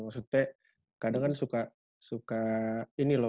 maksudnya kadang kan suka ini loh